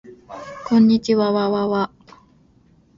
こんにちわわわわ